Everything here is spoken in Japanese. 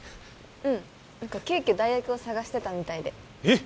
うん何か急きょ代役を探してたみたいでえっ！？